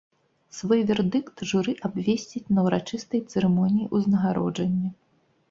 Свой вердыкт журы абвесціць на ўрачыстай цырымоніі ўзнагароджання.